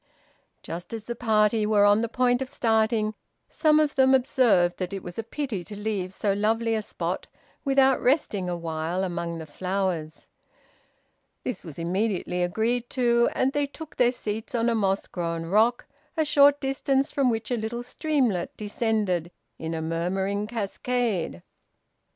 Just as the party were on the point of starting, some of them observed that it was a pity to leave so lovely a spot without resting awhile among the flowers. This was immediately agreed to, and they took their seats on a moss grown rock, a short distance from which a little streamlet descended in a murmuring cascade.